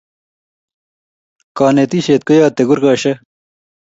Kanetishet koyate kurkeshek